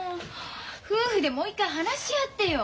夫婦でもう一回話し合ってよ。